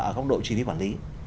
ở góc độ chi phí quản lý